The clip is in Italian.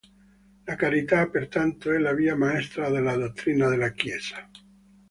La Carità, pertanto, è la via maestra della dottrina della Chiesa.